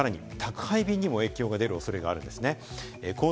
さらに宅配便にも影響が出る可能性があります。